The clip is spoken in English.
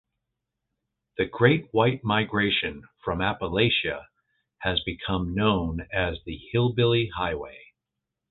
The great white migration from Appalachia has become known as the Hillbilly Highway.